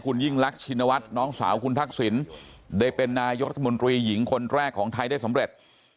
คุณยิ่งรักชินวัฒน์น้องสาวคุณทักษิณได้เป็นนายกรัฐมนตรีหญิงคนแรกของไทยได้สำเร็จ